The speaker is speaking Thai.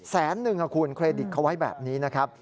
แสนนึงคุณเครดิตเขาไว้แบบนี้นะครับ